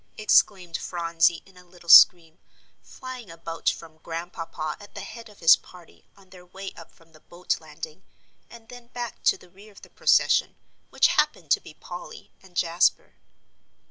exclaimed Phronsie in a little scream, flying about from Grandpapa at the head of his party on their way up from the boat landing, and then back to the rear of the procession, which happened to be Polly and Jasper.